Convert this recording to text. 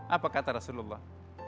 apa kata rasulullah